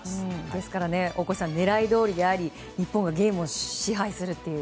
ですから大越さん、狙いどおりであり日本がゲームを支配するという。